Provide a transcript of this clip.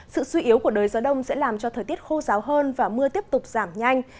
sự suy yếu của đời gió đông sẽ làm cho thời tiết khô ráo hơn và mưa tiếp tục giảm nhanh